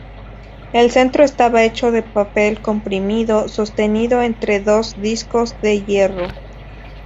El centro estaba hecho de papel comprimido sostenido entre dos discos de hierro.